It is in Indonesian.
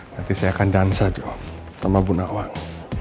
nanti saya akan dansa juga sama ibu nawang